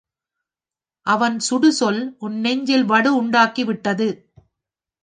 அவன் சுடுசொல் உன் நெஞ்சில் வடு உண்டாக்கிவிட்டது.